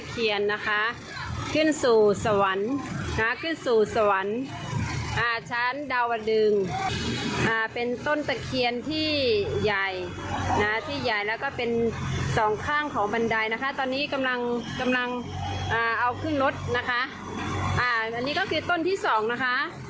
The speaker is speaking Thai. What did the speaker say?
เอาขึ้นรถนะคะอันนี้ก็คือต้นที่๒นะคะ